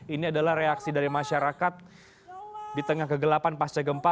ini adalah reaksi dari masyarakat di tengah kegelapan pasca gempa